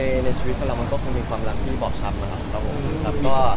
ก็ในชีวิตของเรามันก็คงมีความรับที่บอกช้ำนะครับ